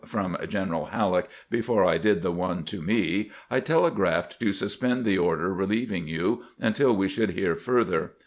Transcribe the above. from General HaUeck before I did the one to me, I telegraphed to suspend the order relieving you untU we should hear further.